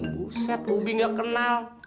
buset ubi nggak kenal